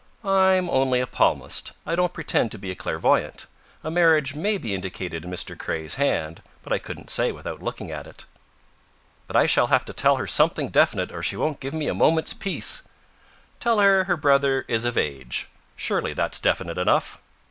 "I'm only a palmist. I don't pretend to be a clairvoyant. A marriage may be indicated in Mr. Craye's hand, but I couldn't say without looking at it." "But I shall have to tell her something definite, or she won't give me a moment's peace." "Tell her her brother is of age. Surely that's definite enough?"